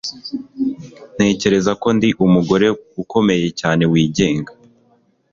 ntekereza ko ndi umugore ukomeye cyane, wigenga